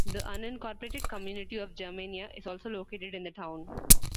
The unincorporated community of Germania is also located in the town.